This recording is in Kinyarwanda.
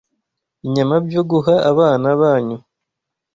inyama byo guha abana banyu